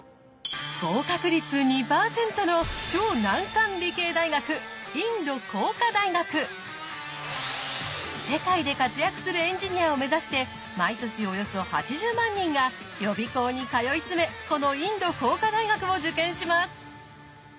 合格率２％の超難関理系大学世界で活躍するエンジニアを目指して毎年およそ８０万人が予備校に通い詰めこのインド工科大学を受験します。